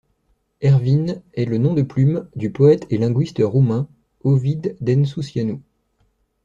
Ervin est le nom de plume du poète et linguiste roumain Ovid Densusianu.